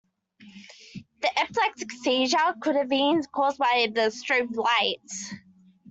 The epileptic seizure could have been cause by the strobe lights.